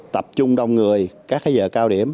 tập trung đông người các giờ cao điểm